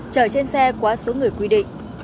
chở trên xe quá số người quy định